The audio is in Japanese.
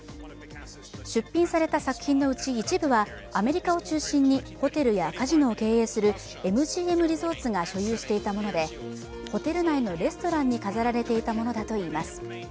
出品された作品のうち一部はアメリカを中心にホテルやカジノを経営するＭＧＭリゾーツが所有していたものでホテル内のレストランに飾られていたものだといいます。